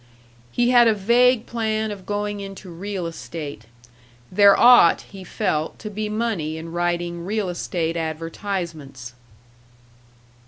He had a vague plan of going into real estate. There ought, he felt, to be money in writing real estate advertisements.